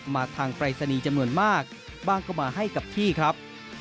มาทางปรายศนีย์จำนวนมากบ้างก็มาให้กับที่ครับ